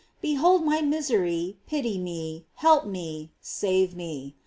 Behold my misery, pity me, help me, save me.